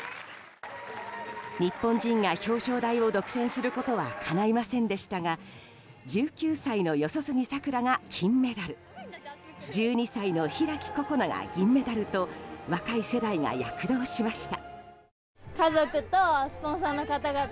日本人が表彰台を独占することはかないませんでしたが１９歳の四十住さくらが金メダル１２歳の開心那が銀メダルと若い世代が躍動しました。